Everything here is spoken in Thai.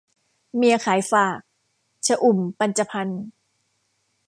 เมียขายฝาก - ชอุ่ม ปัญจพรรค์